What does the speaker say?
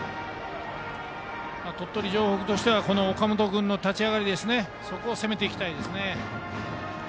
鳥取城北としては岡本君の立ち上がりそこを攻めていきたいですね。